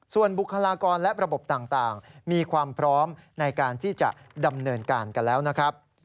ส่วนบุคลากรและระบบต่างมีความพร้อมในการที่จะดำเนินการกันแล้วนะครับ